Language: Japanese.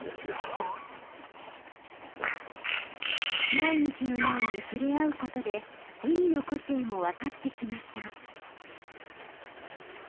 毎日のように触れ合うことでウニの個性もわかってきました。